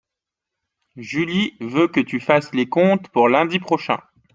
Julie veut que tu fasses les comptes pour lundi prochain.